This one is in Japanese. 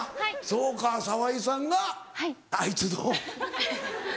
そうか沢井さんがあいつの嫁なのか。